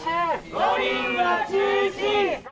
五輪は中止！